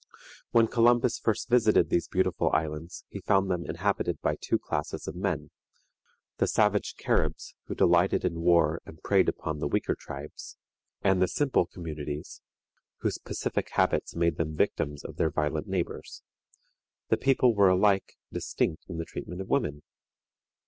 When Columbus first visited these beautiful islands, he found them inhabited by two classes of men the savage Caribs, who delighted in war and preyed upon the weaker tribes; and the simple communities, whose pacific habits made them victims of their violent neighbors. The people were alike distinct in the treatment of women.